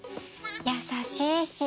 優しいし。